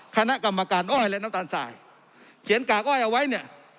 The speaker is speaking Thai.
คณะกรรมการอ้อยและน้ำตาลสายเขียนกากอ้อยเอาไว้เนี่ย